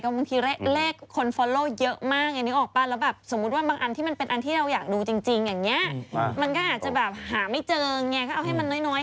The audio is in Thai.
ขอดูชุดไทยอีกทีซิขอดูอีกที